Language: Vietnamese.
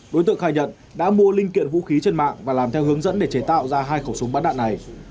đối tượng khai nhận đã mua linh kiện vũ khí trên mạng và làm theo hướng dẫn để chế tạo ra hai khẩu súng bắn đạn này